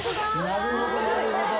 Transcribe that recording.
なるほどなるほど。